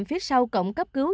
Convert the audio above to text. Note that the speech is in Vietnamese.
phía sau cổng cấp cứu